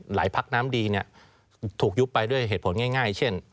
พักน้ำดีถูกยุบไปด้วยเหตุผลง่ายเช่น